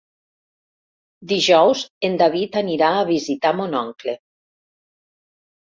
Dijous en David anirà a visitar mon oncle.